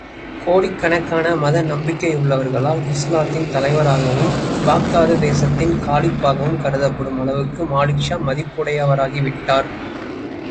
கோடிக்கணக்கான மத நம்பிக்கையுள்ளவர்களால், இஸ்லாத்தின் தலைவராகவும், பாக்தாது தேசத்தின் காலிப்பாகவும் கருதப்படும் அளவுக்கு மாலிக்ஷா மதிப்புடையவராகி விட்டார்.